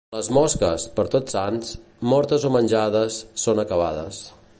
Les mosques, per Tots Sants, mortes o menjades, són acabades.